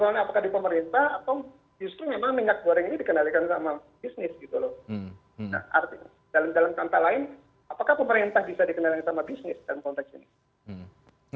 nah artinya dalam kata lain apakah pemerintah bisa dikenali sama bisnis dalam konteks ini